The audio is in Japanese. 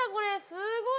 すごい。